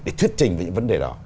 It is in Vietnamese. để thuyết trình về những vấn đề đó